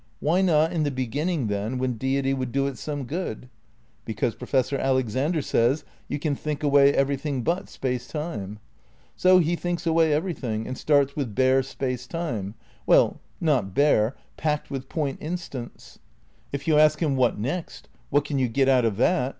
Why not in the beginning, then, when Deity would do it some good? Because, Professor Alexander says, you can think away everything but Space Time. So he thinks away everything and starts with bare Space Time — ^well, not bare, packed with point instants. If you ask him. What next? What can you get out of that!